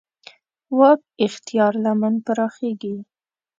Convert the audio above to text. واک اختیار لمن پراخېږي.